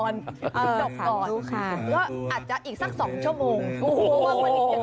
ถ้างดกก่อนอยู่ค่ะก็อาจจะอีกสักสองชั่วโมงจริง